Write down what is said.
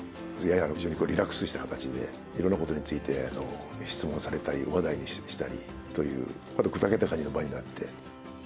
ややリラックスした形で、いろんなことについて質問されたり、話題にしたりという、くだけた感じの場になって。